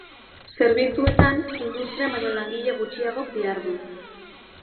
Zerbitzuetan industrian baino langile gutxiagok dihardu.